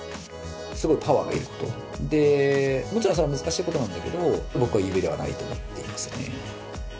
すごいパワーがいることでもちろんそれは難しいことなんだけど僕は夢ではないと思っていますね